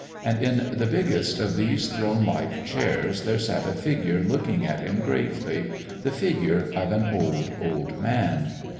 And in the biggest of these throne like chairs there sat a figure looking at him gravely the figure of an old, old man.